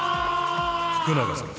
福永さま